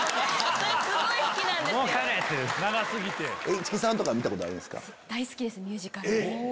市來さんとか見たことあるんですか？